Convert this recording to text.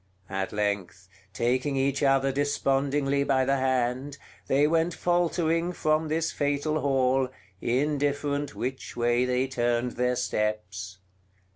At length, taking each other despondingly by the hand, they went faltering from this fatal hall, indifferent which way they turned their steps.